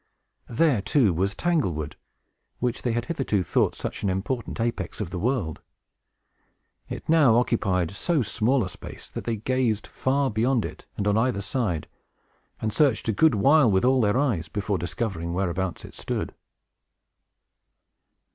There, too, was Tanglewood, which they had hitherto thought such an important apex of the world. It now occupied so small a space, that they gazed far beyond it, and on either side, and searched a good while with all their eyes, before discovering whereabout it stood.